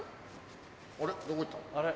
あれ？